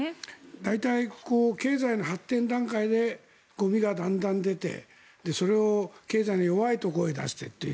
大体、経済の発展段階でゴミがだんだん出てそれを経済の弱いところへ出してという。